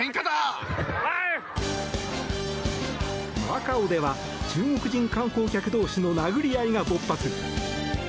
マカオでは中国人観光客同士の殴り合いが勃発。